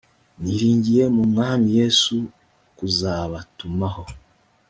niringiye mu mwami yesu kuzabatumaho